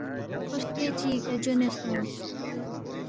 کھو ہرتے چِگی کھہ جونے سونگس